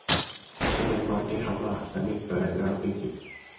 The Torngat Mountains have a substantial geographical extent.